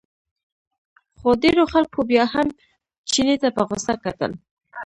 خو ډېرو خلکو بیا هم چیني ته په غوسه کتل.